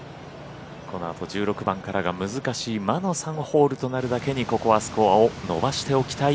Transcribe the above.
このあと１６番からが難しい魔の３ホールとなるだけにここはスコアを伸ばしておきたい